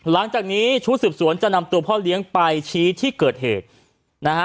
หลังจากนี้ชุดสืบสวนจะนำตัวพ่อเลี้ยงไปชี้ที่เกิดเหตุนะฮะ